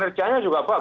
pekerjaannya juga bagus